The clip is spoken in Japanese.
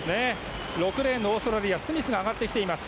６レーンのオーストラリアのスミスが上がってきています。